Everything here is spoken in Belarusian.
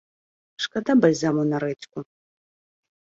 Шкада бальзаму на рэдзьку!